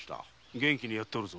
元気にやっておるぞ。